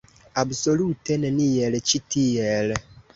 Absolute neniel ĉi tiel.